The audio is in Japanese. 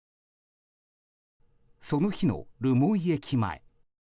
その日の留萌駅前。